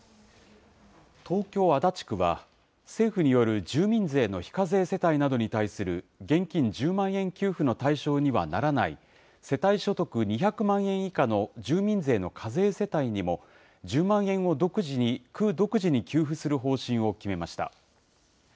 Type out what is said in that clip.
東京・足立区は、政府による住民税の非課税世帯などに対する現金１０万円給付の対象にはならない世帯所得２００万円以下の住民税の課税世帯にも１０万円を区独自に給付する方針を決めました。